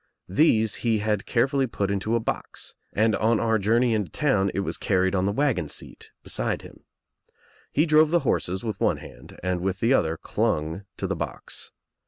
These he had carefully put Into a box and on our journey into town It was carried on the wagon seat beside him. He drove the horses with one hand and with the other clung to the box.